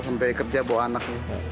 sampai kerja bawa anak